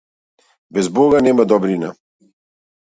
Без бога нема добрина.